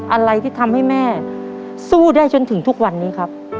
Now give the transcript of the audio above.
อะไรที่ทำให้แม่สู้ได้จนถึงทุกวันนี้ครับ